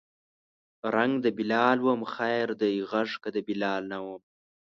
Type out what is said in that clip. رنګ د بلال وم خیر دی غږ که د بلال نه وم